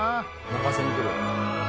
泣かせにくる。